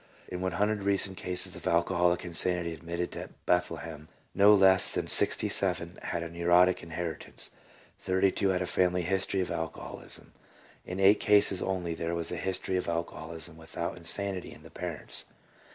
In 100 recent cases of alcoholic insanity admitted into Bethlehem, no less than 67 had a neurotic inheritance ; 32 had a family history of alcoholism ; in eight cases only was there a history of alcoholism without insanity in the parents.